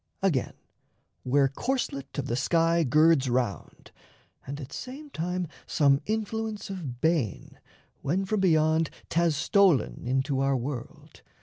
Again, where corselet of the sky girds round And at same time, some Influence of bane, When from Beyond 'thas stolen into [our world].